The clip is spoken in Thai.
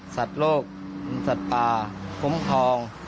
สัตว์โลกสัตว์ป่าคุ้มครอง